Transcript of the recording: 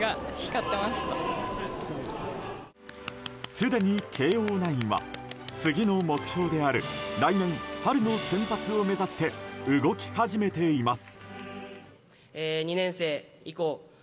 すでに慶応ナインは次の目標である来年春のセンバツを目指して動き始めています。